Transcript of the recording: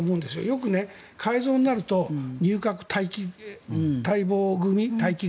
よく改造になると入閣待機組、待望組。